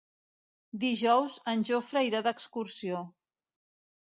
Dijous en Jofre irà d'excursió.